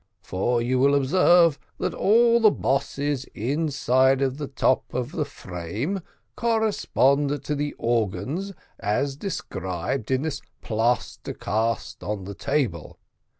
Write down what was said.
For you will observe that all the bosses inside of the top of the frame correspond to the organs as described in this plaster cast on the table.